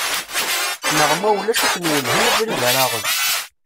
Neɣ ma ulac ad ten-welhen abrid ara aɣen.